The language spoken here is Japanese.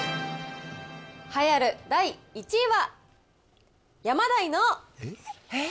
栄えある第１位は。